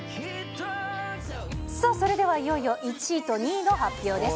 さあ、それではいよいよ１位と２位の発表です。